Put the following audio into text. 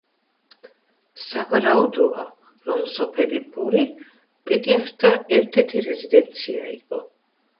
სავარაუდოა რომ სოფელი ბორი პიტიახშთა ერთ–ერთი რეზიდენცია იყო.